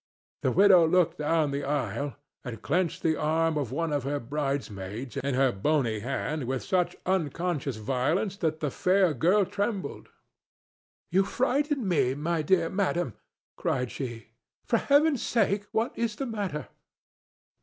The widow looked down the aisle and clenched the arm of one of her bridemaids in her bony hand with such unconscious violence that the fair girl trembled. "You frighten me, my dear madam," cried she. "For heaven's sake, what is the matter?"